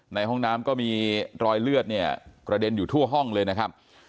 ในห้องน้ำก็มีรอยเลือดเนี่ยกระเด็นอยู่ทั่วห้องเลยนะครับ